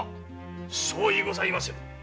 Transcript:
相違ございませぬ。